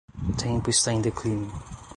Tempo está em declínio